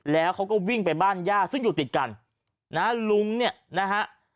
แล้วเขาก็วิ่งไปบ้านย่าซึ่งอยู่ติดกันนะฮะลุงเนี่ยนะฮะ